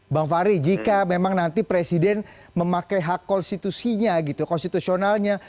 bang fahri jika memang nanti presiden memakai hak konstitusinya gitu konstitusionalnya